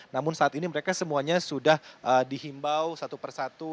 namun saat ini mereka semuanya sudah dihimbau satu persatu